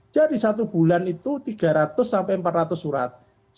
jadi satu bulan itu tiga ratus sampai empat ratus surat